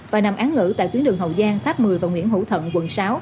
và nằm án ngữ tại tuyến đường hậu giang tháp một mươi và nguyễn hữu thuận quận sáu